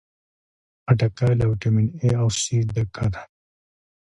خټکی له ویټامین A او C ډکه ده.